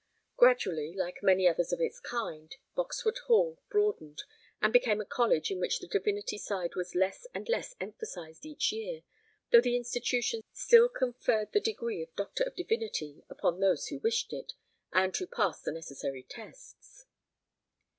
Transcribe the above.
Gradually, like many others of its kind, Boxwood Hall broadened, and became a college in which the divinity side was less and less emphasized each year, though the institution still conferred the degree of Doctor of Divinity upon those who wished it, and who passed the necessary tests.